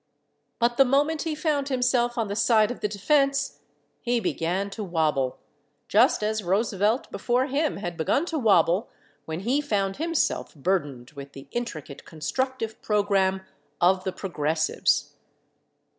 But the moment he found himself on the side of the defense, he began to wobble, just as Roosevelt before him had begun to wobble when he found himself burdened with the intricate constructive program of the Progressives.